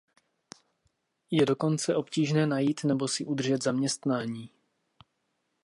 Je dokonce obtížné najít nebo si udržet zaměstnání.